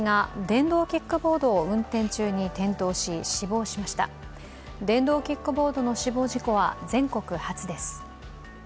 電動キックボードの死亡事故は全国初です。